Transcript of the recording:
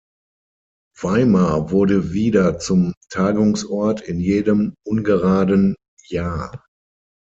Weimar wurde wieder zum Tagungsort in jedem ungeraden Jahr.